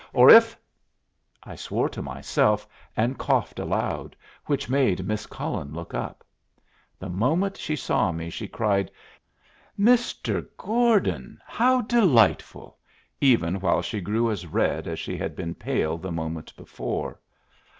Or if " I swore to myself, and coughed aloud, which made Miss Cullen look up. The moment she saw me she cried, "Mr. Gordon! How delightful!" even while she grew as red as she had been pale the moment before.